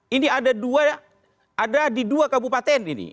ini ada di dua kabupaten ini